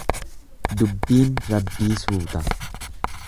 Dubbiin Rabbii suuta.